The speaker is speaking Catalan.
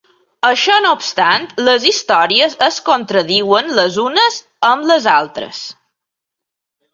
Això no obstant, les històries es contradiuen les unes a les altres.